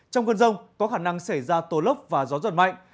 trong cơn rông có khả năng xảy ra tố lốc và gió giật mạnh